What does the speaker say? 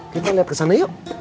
kita liat kesana yuk